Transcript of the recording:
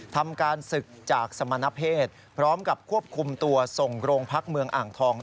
ทำการศึกจากสมณเพศพร้อมกับควบคุมตัวส่งโรงพักเมืองอ่างทอง